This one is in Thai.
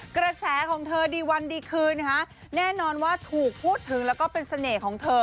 กระแสของเธอดีวันดีคืนนะคะแน่นอนว่าถูกพูดถึงแล้วก็เป็นเสน่ห์ของเธอ